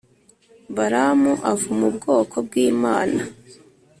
Baramu avuma ubwoko bw’imana